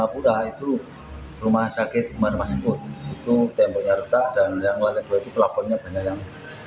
pura itu rumah sakit marmaskut itu temponya retak dan lewat itu kelabunya banyak yang